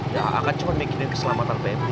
ya akan cuma bikin keselamatan pebri